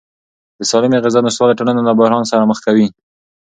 د سالمې غذا نشتوالی ټولنه له بحران سره مخ کوي.